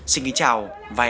xin kính chào và hẹn gặp lại